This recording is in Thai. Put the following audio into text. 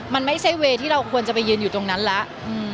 มันไม่ใช่ทางที่เราควรจะยืนอยู่นั้นแล้ว